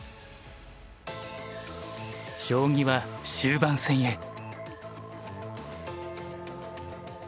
将棋は終盤戦へ。